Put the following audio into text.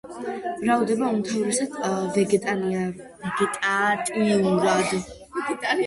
მრავლდება უმთავრესად ვეგეტატიურად.